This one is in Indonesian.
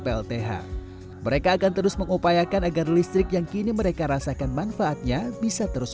plth mereka akan terus mengupayakan agar listrik yang kini mereka rasakan manfaatnya bisa terus